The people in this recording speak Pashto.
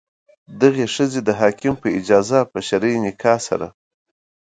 دغې ښځې د حاکم په اجازه په شرعي نکاح سره.